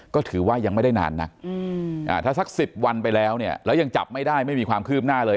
ก็ถือว่ายังไม่ได้นานนักถ้าสัก๑๐วันไปแล้วเนี่ยแล้วยังจับไม่ได้ไม่มีความคืบหน้าเลย